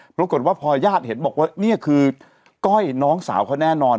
ปรากฏว่าพอญาติเห็นบอกว่านี่คือก้อยน้องสาวเขาแน่นอน